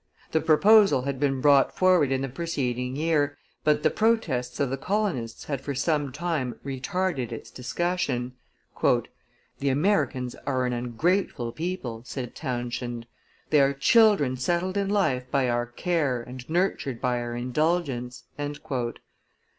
The proposal had been brought forward in the preceding year, but the protests of the colonists had for some time retarded its discussion. "The Americans are an ungrateful people," said Townshend; "they are children settled in life by our care and nurtured by our indulgence."